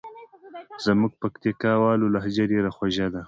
زموږ پکتیکاوالو لهجه ډېره خوژه ده.